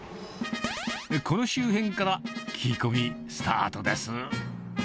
この周辺から聞き込みスタートです。